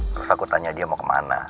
terus aku tanya dia mau kemana